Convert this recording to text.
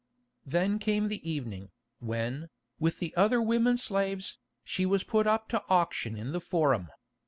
Then came the evening, when, with the other women slaves, she was put up to auction in the Forum.